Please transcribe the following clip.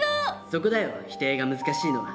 そこだよ否定が難しいのは。